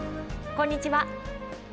こんにちは。